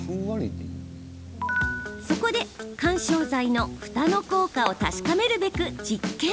そこで、緩衝材のふたの効果を確かめるべく実験。